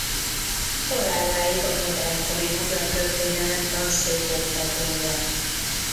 Haláláig a Modernkori Magyar Történelem Tanszék oktatója.